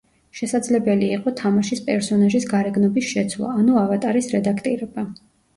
შესაძლებელი იყო თამაშის პერსონაჟის გარეგნობის შეცვლა, ანუ ავატარის რედაქტირება.